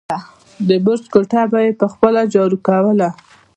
د برج کوټه به يې په خپله جارو کوله.